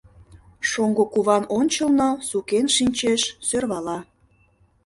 — Шоҥго куван ончылно сукен шинчеш, сӧрвала.